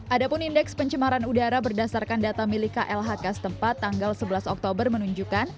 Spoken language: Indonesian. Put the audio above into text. adapun indeks pencemaran udara berdasarkan data milik klhk setempat tanggal sebelas oktober menunjukkan